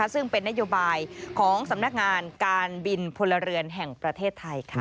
ซึ่งเป็นนโยบายของสำนักงานการบินพลเรือนแห่งประเทศไทย